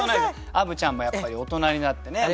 あぶちゃんもやっぱり大人になってね